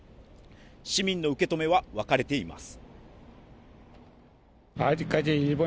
市民の受け止めは分かれています。